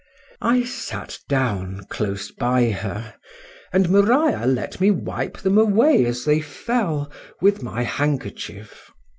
I sat down close by her; and Maria let me wipe them away as they fell, with my handkerchief.